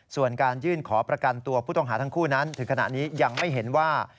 ส่วนการยื่นขอประกันตัวผู้ต้องหาทั้งคู่นั้นถึงขณะนี้ยังไม่เห็นว่า